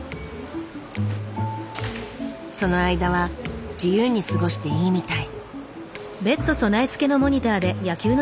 その間は自由に過ごしていいみたい。